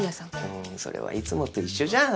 うーんそれはいつもと一緒じゃん！